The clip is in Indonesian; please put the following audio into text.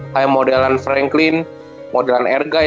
kayak modelan franklin modelan ergai